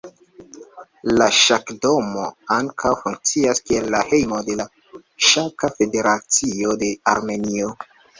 La ŝakdomo ankaŭ funkcias kiel la hejmo de la Ŝaka Federacio de Armenio.